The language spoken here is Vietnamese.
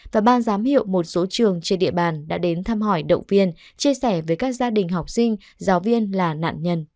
và ban giám hiệu một số trường trên địa bàn đã đến thăm hỏi động viên chia sẻ với các gia đình học sinh giáo viên là nạn nhân